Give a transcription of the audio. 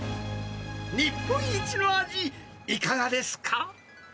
日本一の味、いかがですか？